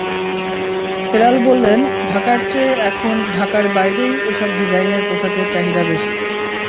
হেলাল বললেন, ঢাকার চেয়ে এখন ঢাকার বাইরেই এসব ডিজাইনের পোশাকের চাহিদা বেশি।